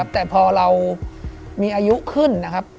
แต่พอเรามีอายุขึ้นนะครับ